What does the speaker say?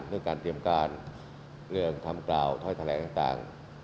เรื่องการเตรียมการเรื่องทำกล่าวถ้อยแถลงต่าง